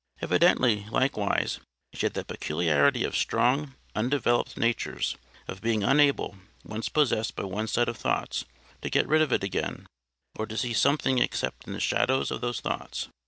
Evidently, likewise, she had that peculiarity of strong, undeveloped natures, of being unable, once possessed by one set of thoughts, to get rid of it again, or to see anything except in the shadow of those thoughts.